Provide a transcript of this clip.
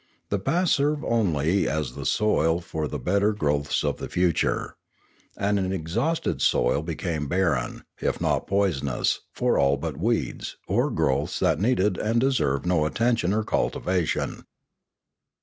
The past served only as the soil for the better growths of the future. And an exhausted soil became barren, if not poisonous, for all but weeds, or growths that needed and deserved no attention or cultivation.